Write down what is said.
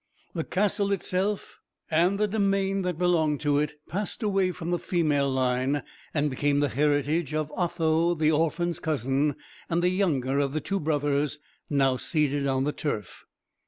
The castle itself and the demesne that belonged to it passed away from the female line, and became the heritage of Otho the orphan's cousin, and the younger of the two brothers now seated on the turf.